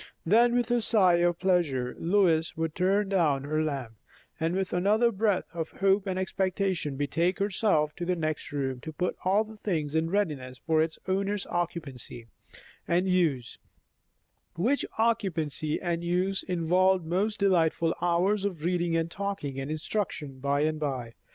Then with a sigh of pleasure Lois would turn down her lamp, and with another breath of hope and expectation betake herself to the next room to put all things in readiness for its owner's occupancy and use, which occupancy and use involved most delightful hours of reading and talking and instruction by and by.